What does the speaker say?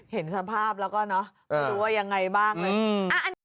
เห็นสภาพแล้วก็นะไปดูว่ายังไงบ้างอืม